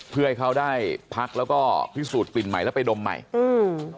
เพื่อให้เขาได้พักแล้วก็พิสูจน์กลิ่นใหม่แล้วไปดมใหม่อืม